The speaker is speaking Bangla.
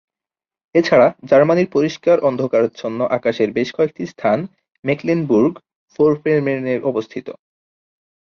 এছাড়া জার্মানির পরিষ্কার অন্ধকারাচ্ছন্ন আকাশের বেশ কয়েকটি স্থান মেকলেনবুর্গ-ফোর্পোমের্নে অবস্থিত।